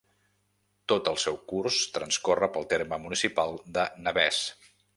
Tot el seu curs transcorre pel terme municipal de Navès.